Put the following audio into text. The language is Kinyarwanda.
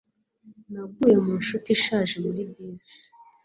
Naguye mu nshuti ishaje muri bisi.